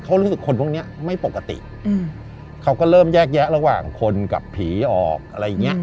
เขารู้สึกคนพวกนี้ไม่ปกติเขาก็เริ่มแยกแยะระหว่างคนกับผีออกอะไรอย่างเงี้ย